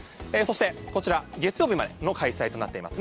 こちら、月曜日までの開催となっています。